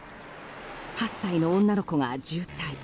８歳の女の子が重体。